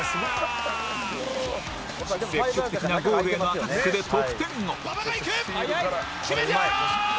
積極的なゴールへのアタックで得点も。